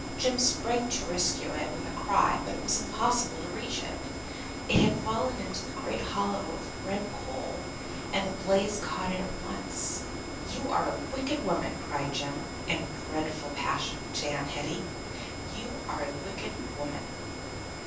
Jem sprang to rescue it with a cry, but it was impossible to reach it; it had fallen into a great hollow of red coal, and the blaze caught it at once. "You are a wicked woman!" cried Jem, in a dreadful passion, to Aunt Hetty. "You are a wicked woman."